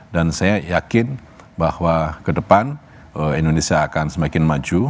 dan saya yakin bahwa kedepan indonesia akan semakin maju